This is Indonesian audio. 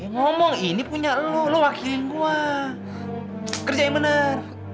ngomong ini punya lo lo wakilin gua kerjain bener